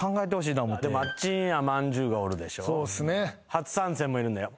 初参戦もいるんだよ。